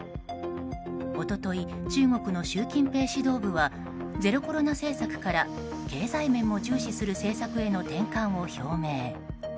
一昨日、中国の習近平指導部はゼロコロナ政策から経済面も重視する政策への転換を表明。